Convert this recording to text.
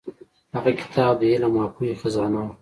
هغه کتاب د علم او پوهې خزانه وه.